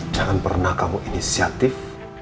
jangan pernah kamu inisiatif